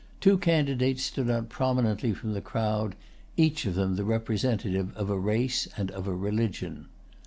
Two candidates stood out prominently from the crowd, each of them the representative of a race and of a religion.